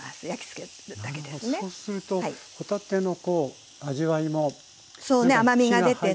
そうすると帆立ての味わいも火が入って。